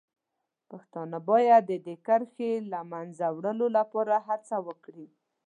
پښتانه باید د دې کرښې د له منځه وړلو لپاره هڅه وکړي.